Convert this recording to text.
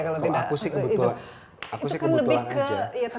kalau aku sih kebetulan